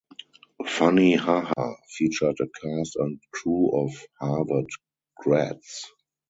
"Funny Ha Ha" featured a cast and crew of Harvard grads.